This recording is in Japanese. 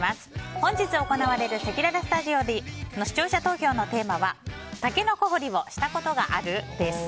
本日行われるせきららスタジオの視聴者投票のテーマはタケノコ掘りをしたことがある？です。